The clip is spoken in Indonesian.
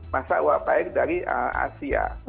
masa uap air dari asia